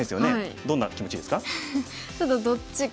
どんな気持ちですか？